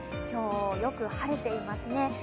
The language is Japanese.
今日よく晴れていますね。